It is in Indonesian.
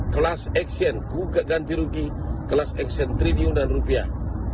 kelas eksen gugat ganti rugi kelas eksen triliunan rupiah